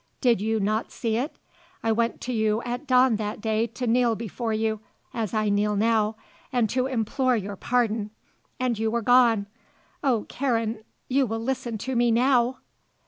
Did you not see it? I went to you at dawn that day to kneel before you, as I kneel now, and to implore your pardon. And you were gone! Oh, Karen you will listen to me now!"